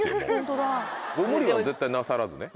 無理は絶対なさらずね。